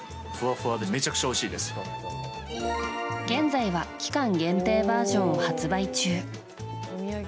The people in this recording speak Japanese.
現在は期間限定バージョンを発売中。